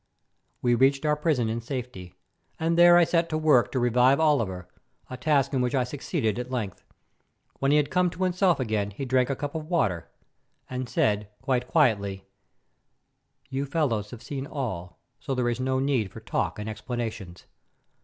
We reached our prison in safety, and there I set to work to revive Oliver, a task in which I succeeded at length. When he had come to himself again he drank a cup of water, and said quite quietly: "You fellows have seen all, so there is no need for talk and explanations.